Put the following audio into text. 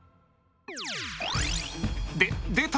で出た！